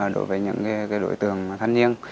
đối với những đối tượng thanh niên